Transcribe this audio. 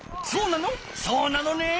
そうなのね？